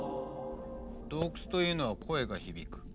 洞窟というのは声が響く。